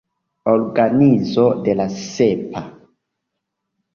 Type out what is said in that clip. Organizo de la Sepa.